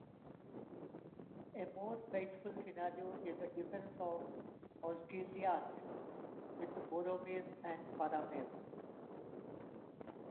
A more faithful scenario is the defense of Osgiliath with Boromir and Faramir.